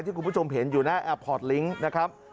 คุณผู้ชมเห็นอยู่หน้าแอร์พอร์ตลิงค์นะครับ